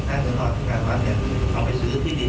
ถ้าเงินท้อนที่การสวนเอาไปซื้อที่ดิน